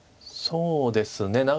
そうですね